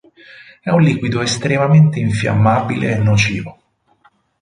È un liquido estremamente infiammabile e nocivo.